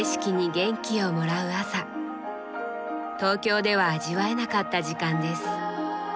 東京では味わえなかった時間です。